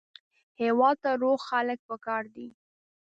هېواد ته روغ خلک پکار دي